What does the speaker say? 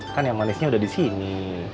kan yang manisnya udah disini